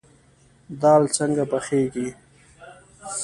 دال څنګه پخیږي؟